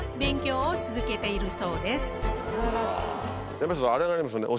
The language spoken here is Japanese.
山下さんあれがありますよね